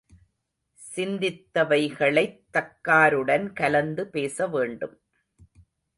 சிந்தித்தவைகளைத் தக்காருடன் கலந்து பேசவேண்டும்.